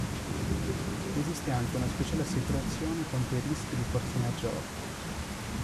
Esiste anche una speciale assicurazione contro i rischi di forza maggiore.